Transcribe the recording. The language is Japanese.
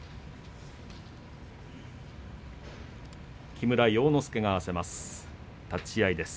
木村要之助が合わせます。